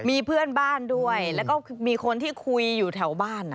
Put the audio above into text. มีเพื่อนบ้านด้วยแล้วก็มีคนที่คุยอยู่แถวบ้าน